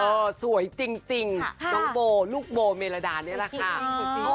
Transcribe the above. สวยจริงน้องโบลูกโบเมรดานี่แหละค่ะ